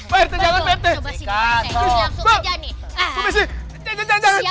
pak rete coba sini pak rete langsung aja nih